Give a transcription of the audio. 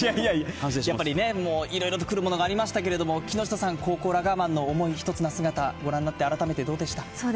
やっぱりね、いろいろ来るものがありましたけれども、木下さん、高校ラガーマンの想いひとつな姿、ごらんになって改めてどうでした？